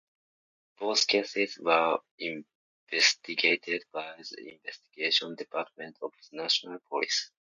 Both cases were investigated by the Investigation Department of the National Police.